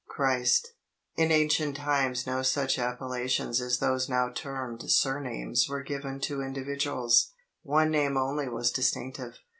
CHRIST In ancient times no such appellations as those now termed surnames were given to individuals. One name only was distinctive.